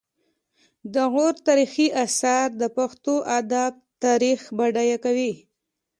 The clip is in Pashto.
د غور تاریخي اثار د پښتو ادب تاریخ بډایه کوي